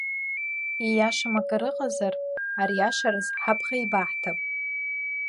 Ииашам акыр ыҟазар, ариашараз, ҳабӷа еибаҳҭап.